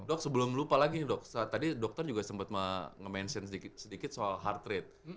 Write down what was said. dok sebelum lupa lagi nih dok tadi dokter juga sempat nge mention sedikit soal heart rate